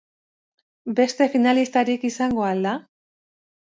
Beste finalistarik izango al da?